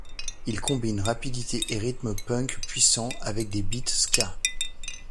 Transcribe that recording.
Ils combinent rapidité et rythme punk puissant avec des beats ska.